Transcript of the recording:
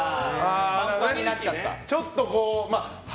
パンパンになっちゃった。